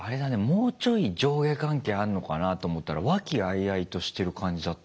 もうちょい上下関係あんのかなと思ったら和気あいあいとしてる感じだったね。